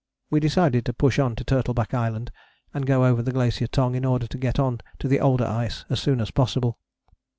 We decided to push on to Turtleback Island and go over Glacier Tongue in order to get on to the older ice as soon as possible.